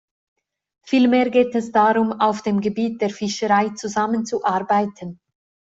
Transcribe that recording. Vielmehr geht es darum, auf dem Gebiet der Fischerei zusammenzuarbeiten.